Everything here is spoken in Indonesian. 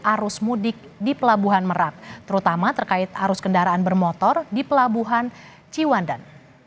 arus mudik di pelabuhan merak terutama terkait arus kendaraan bermotor di pelabuhan ciwandan